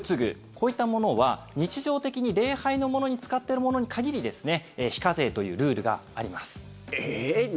こういったものは日常的に礼拝のものに使ってるものに限り非課税というルールがあります。